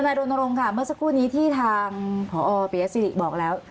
ธนาโดนโรงค่ะเมื่อสักครู่นี้ที่ทางผอปริศิษฐิบอกแล้ว